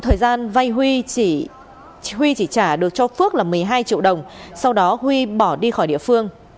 huy chỉ trả được cho phước là một mươi hai triệu đồng sau đó huy bỏ đi khỏi địa phương